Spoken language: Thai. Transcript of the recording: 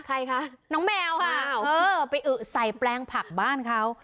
ใครคะน้องแมวค่ะเออไปอึใส่แปลงผักบ้านเขา